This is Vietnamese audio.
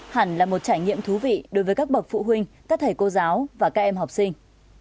hẳn là một trải nghiệm thú vị đối với các bậc phụ huynh các thầy cô giáo và các em học sinh